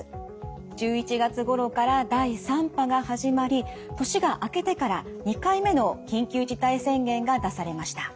１１月ごろから第３波が始まり年が明けてから２回目の緊急事態宣言が出されました。